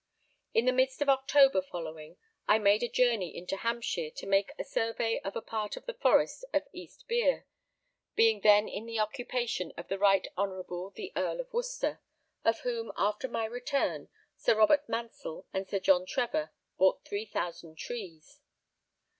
In the midst of October following I made a journey into Hampshire, to make a survey of a part of the forest of East Bere, being then in the occupation of the Right Honourable the Earl of Worcester, of whom, after my return, Sir Robert Mansell and Sir John Trevor bought 3000 trees.